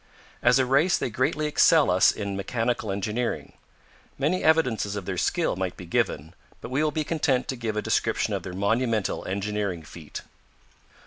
As a race they greatly excel us in mechanical engineering. Many evidences of their skill might be given, but we will be content to give a description of their monumental engineering feat.